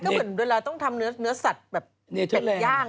ก็เหมือนเวลาต้องทำเนื้อสัตว์แบบเป็ดย่าง